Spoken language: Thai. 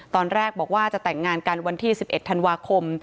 ตอนแรกบอกว่าจะแต่งงานกันวันที่๑๑ธันวาคม